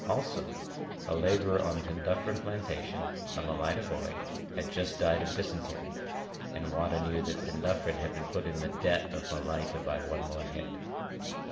Also, a labourer on Penduffryn Plantation, a Malaita boy, had just died of dysentery, and Wada knew that Penduffryn had been put in the debt of Malaita by one more head.